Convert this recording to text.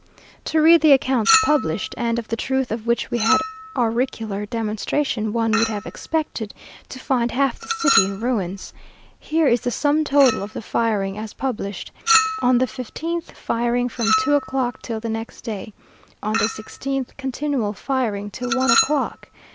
To read the accounts published, and of the truth of which we had auricular demonstration, one would have expected to find half the city in ruins. Here is the sum total of the firing, as published: "On the 15th, firing from two o'clock till the next day. On the 16th, continual firing till one o'clock.